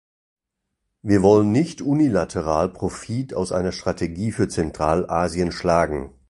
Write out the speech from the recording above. Wir wollen nicht unilateral Profit aus einer Strategie für Zentralasien schlagen.